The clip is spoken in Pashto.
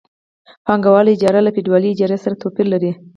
پانګوالي اجاره له فیوډالي اجارې سره توپیر لري